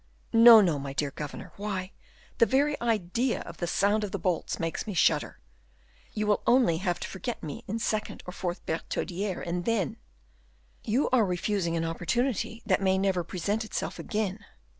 "No, no, my dear governor; why, the very idea of the sound of the bolts makes me shudder. You will only have to forget me in second or fourth Bertaudiere, and then " "You are refusing an opportunity that may never present itself again.